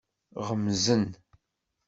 Ɣemzen.